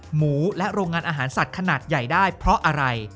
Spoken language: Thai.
หมูและโรงงานอาหารสัตว์ขนาดใหญ่ได้เพราะอะไร